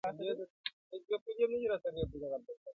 چي حلالي د پسو غوښي دي خوری یې.